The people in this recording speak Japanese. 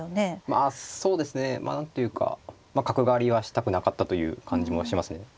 まあそうですね何というか角換わりはしたくなかったという感じもしますね。